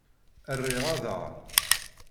Rriɣ aḍar.